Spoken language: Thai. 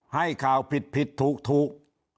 ให้ข่าวผิดถูก